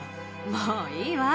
もういいわ。